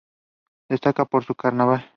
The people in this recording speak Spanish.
Destaca por su carnaval.